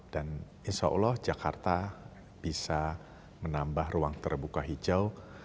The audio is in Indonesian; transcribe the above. dan insya allah jakarta bisa menambah ruang terbuka hijau